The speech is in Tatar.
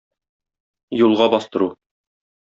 Юлга бастыру.